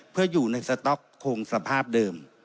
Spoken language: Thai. เพื่ออยู่ในสต๊อกคงสภาพเดิม